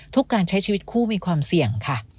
การใช้ชีวิตคู่มีความเสี่ยงค่ะ